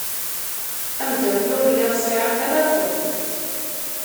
Amdakel ur lliɣ sεiɣ-t ala Tom.